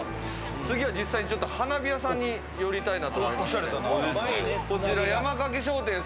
次は実際に花火屋さんに寄りたいな。